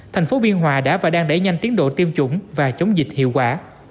thành phố biên hòa đã và đang đẩy nhanh tiến độ tiêm chủng và chống dịch hiệu quả